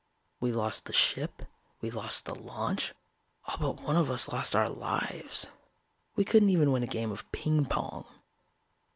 We lost the ship, we lost the launch, all but one of us lost our lives. We couldn't even win a game of ping pong.